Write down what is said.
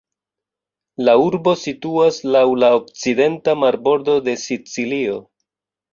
La urbo situas laŭ la okcidenta marbordo de Sicilio.